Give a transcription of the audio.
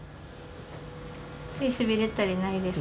手しびれたりないですか？